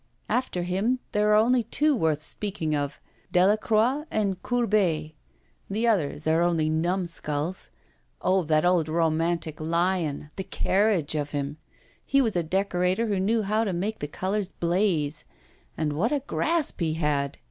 After him there are only two worth speaking of, Delacroix and Courbet. The others are only numskulls. Oh, that old romantic lion, the carriage of him! He was a decorator who knew how to make the colours blaze. And what a grasp he had!